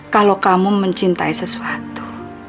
kalau kamu mencintai sesuatu